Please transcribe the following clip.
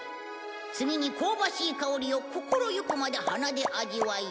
次に香ばしい香りを心ゆくまで鼻で味わい